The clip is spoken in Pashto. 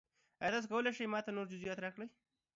ایا تاسو کولی شئ ما ته نور جزئیات راکړئ؟